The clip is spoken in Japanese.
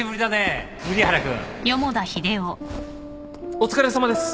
お疲れさまです！